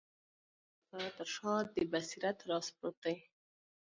د سترګو د بصارت تر شاه دي د بصیرت راز پروت دی